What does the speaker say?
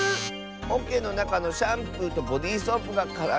おけのなかのシャンプーとボディーソープがからになってる？